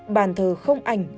bàn thờ không ảnh